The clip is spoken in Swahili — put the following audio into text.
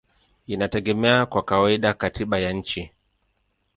inategemea kwa kawaida katiba ya nchi.